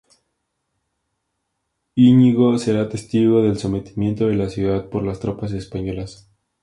Íñigo será testigo del sometimiento de la ciudad por las tropas españolas.